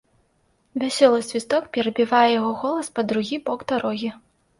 Вясёлы свісток перабівае яго голас па другі бок дарогі.